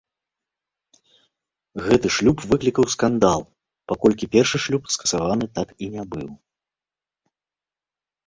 Гэты шлюб выклікаў скандал, паколькі першы шлюб скасаваны так і не быў.